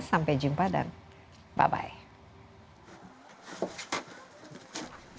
sampai jumpa dan bye bye